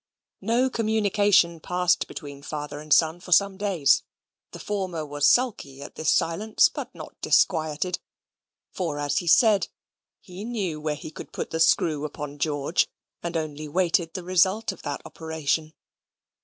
No communication passed between father and son for some days. The former was sulky at this silence, but not disquieted; for, as he said, he knew where he could put the screw upon George, and only waited the result of that operation.